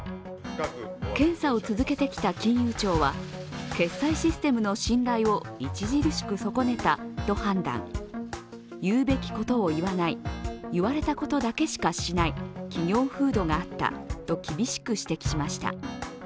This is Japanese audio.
検査を続けてきた金融庁は決済システムの信頼を著しく損ねたと判断、言うべきことを言わない言われたことだけしかしない企業風土があったと厳しく指摘しました。